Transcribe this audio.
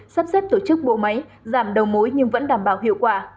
sắp xếp tổ chức bộ máy giảm đầu mối nhưng vẫn đảm bảo hiệu quả